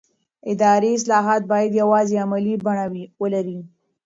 اداري اصلاحات باید یوازې عملي بڼه ولري